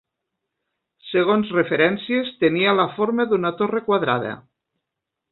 Segons referències tenia la forma d'una torre quadrada.